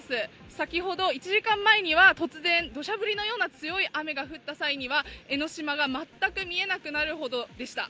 先ほど、１時間前には突然、どしゃ降りのような強い雨が降った際には江の島が全く見えなくなるほどでした。